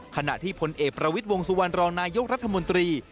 ขณะที่พลเอกประวิทย์วงสุวรรณรองนายกรัฐมนตรี